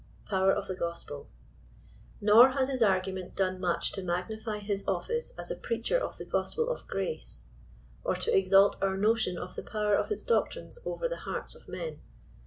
POWER or THE GOSP£L. Nor has his argument done much to magnify his office as a preacher of the gospel of grace, or to exalt our notion of the power of its doctrines over the hearts of men.